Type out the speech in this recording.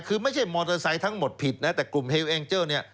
คือไม่ใช่มอเตอร์ไซค์ทั้งหมดผิดนะแต่กลุ่มเฮลเอ็งเจอร์เนี่ย